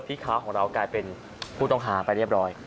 ค้าของเรากลายเป็นผู้ต้องหาไปเรียบร้อย